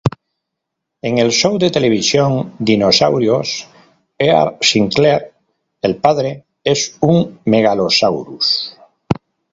En el show de televisión "Dinosaurios", Earl Sinclair, el padre, es un "Megalosaurus".